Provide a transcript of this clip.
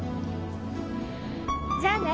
じゃあね。